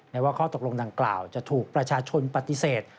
ว่าข้อตกลงดังกล่าวจะถูกประชาชนปฏิเสธ